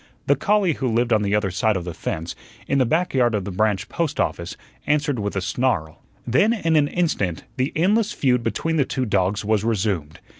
The collie who lived on the other side of the fence, in the back yard of the branch post office, answered with a snarl. Then in an instant the endless feud between the two dogs was resumed.